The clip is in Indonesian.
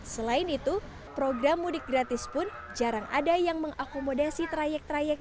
selain itu program mudik gratis pun jarang ada yang mengakomodasi trayek trayek